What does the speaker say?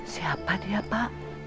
siapa dia pak